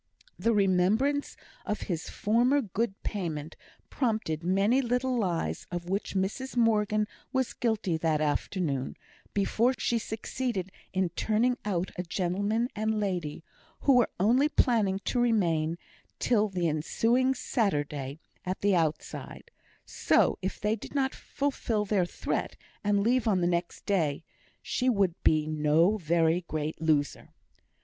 The remembrance of his former good payment prompted many little lies of which Mrs Morgan was guilty that afternoon, before she succeeded in turning out a gentleman and lady, who were only planning to remain till the ensuing Saturday at the outside, so, if they did fulfil their threat, and leave on the next day, she would be no very great loser.